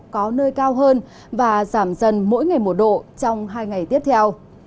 có nơi cao hơn và giảm dần mỗi ngày một độ trong hai ngày tiếp theo